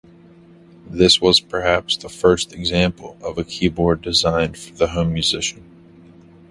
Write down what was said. This was perhaps the first example of a keyboard designed for the home musician.